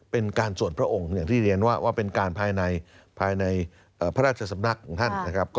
เป็นการสวนพระองค์อย่างที่เรียนว่าว่าเป็นการภายในพระราชสำนักของท่าน